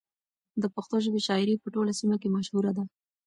د پښتو ژبې شاعري په ټوله سیمه کې مشهوره ده.